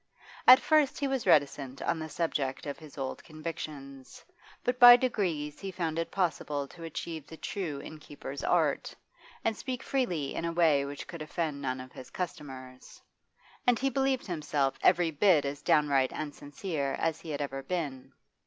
At first he was reticent on the subject of his old convictions, but by degrees he found it possible to achieve the true innkeeper's art, and speak freely in a way which could offend none of his customers. And he believed himself every bit as downright and sincere as he had ever been.